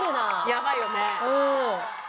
やばいよね。